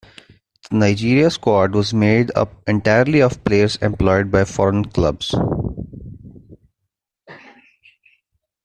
The Nigeria squad was made up entirely of players employed by foreign clubs.